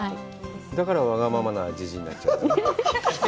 だから、わがままなじじいになっちゃった。